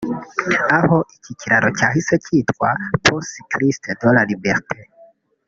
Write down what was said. aho iki kiraro cyahise cyitwa “Pont cycliste de la liberté"